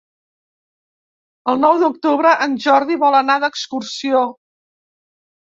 El nou d'octubre en Jordi vol anar d'excursió.